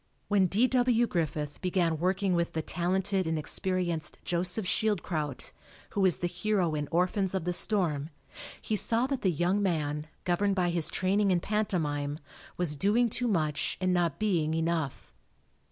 When D. W. Griffith began working with the talented and experienced Joseph Schildkraut, who is the hero in "Orphans of the Storm," he saw that the young man, 103 SCREEN ACTING governed by his training in pantomine, was doing too much and not being enough.